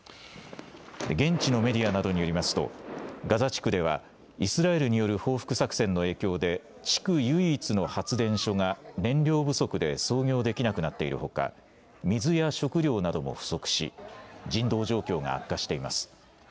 現地のメディアなどによりますとガザ地区ではイスラエルによる報復作戦の影響で地区唯一の発電所が燃料不足で操業できなくなっているほか水や食料なども不足し人道状況が悪化しています。